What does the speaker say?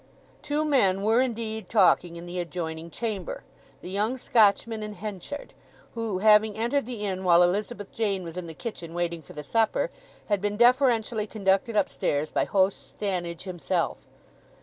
Two men were indeed talking in the adjoining chamber, the young Scotchman and Henchard, who, having entered the inn while Elizabeth Jane was in the kitchen waiting for the supper, had been deferentially conducted upstairs by host Stannidge himself.